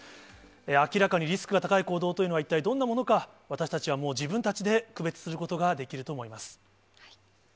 明らかにリスクの高い行動というのは、一体どんなものか、私たちはもう自分たちで区別することができると思います。